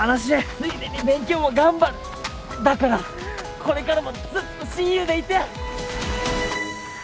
ついでに勉強も頑張るだからこれからもずっと親友でいて！